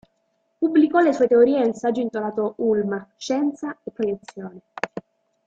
Pubblicò le sue teorie nel saggio intitolato "Ulma, scienza e proiezione".